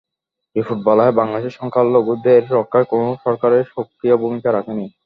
রিপোর্টে বলা হয়, বাংলাদেশের সংখ্যালঘুদের রক্ষায় কোনো সরকারই সক্রিয় ভূমিকা রাখেনি।